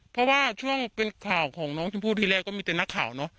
เพราะว่าช่วงเป็นข่าวของน้องชมพู่ที่แรกก็มีแต่นักข่าวเนอะ